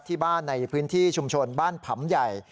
ที่บ้านในพื้นที่ชุมชนบ้านผำใหญ่